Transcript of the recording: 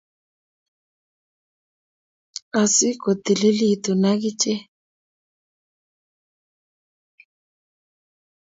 Asikotiilitu akiche